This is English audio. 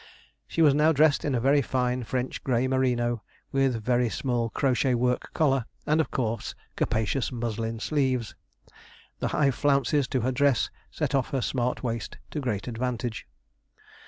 She was now dressed in a very fine French grey merino, with a very small crochet work collar, and, of course, capacious muslin sleeves. The high flounces to her dress set off her smart waist to great advantage.